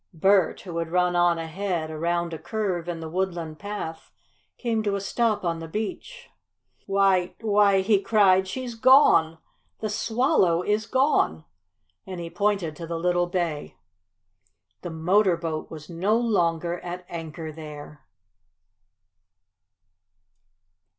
Bert, who had run on ahead around a curve in the woodland path, came to a stop on the beach. "Why why!" he cried. "She's gone! The Swallow is gone!" and he pointed to the little bay. The motor boat was no longer at anchor there!